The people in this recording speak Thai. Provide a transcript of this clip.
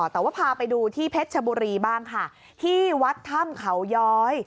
แต่ว่าพาไปดูที่เพชรชบุรีบ้างค่ะที่วัดถ้ำเขาย้อย